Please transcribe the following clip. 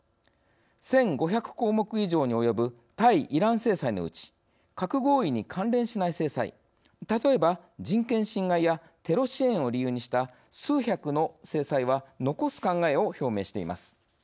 １５００項目以上に及ぶ対イラン制裁のうち核合意に関連しない制裁例えば人権侵害やテロ支援を理由にした数百の制裁は残す考えを表明しています。